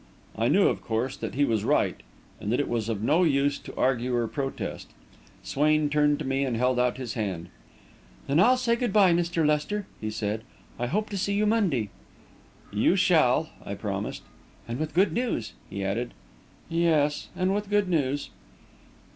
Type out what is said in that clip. I knew, of course, that he was right and that it was of no use to argue or protest. Swain turned to me and held out his hand. "Then I'll say good bye, Mr. Lester," he said. "I'll hope to see you Monday." "You shall," I promised. "And with good news," he added. "Yes and with good news."